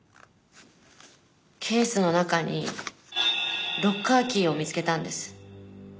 ケースの中にロッカーキーを見つけたんです。